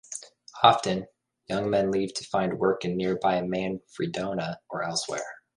Often, young men leave to find work in nearby Manfredonia or elsewhere.